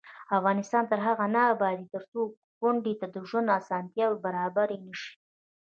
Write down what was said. افغانستان تر هغو نه ابادیږي، ترڅو کونډې ته د ژوند اسانتیاوې برابرې نشي.